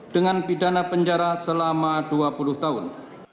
dengan pidana penjara selama dua puluh tahun